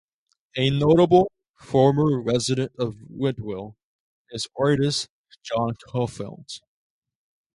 A notable former resident of Whitwell is artist Jon Coffelt.